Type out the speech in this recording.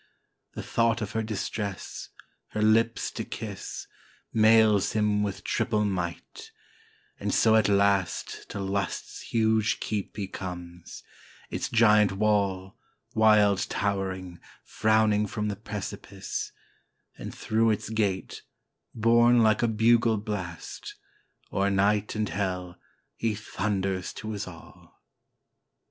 The thought of her distress, her lips to kiss, Mails him with triple might; and so at last To Lust's huge keep he comes; its giant wall, Wild towering, frowning from the precipice; And through its gate, borne like a bugle blast, O'er night and hell he thunders to his all.